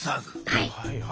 はい。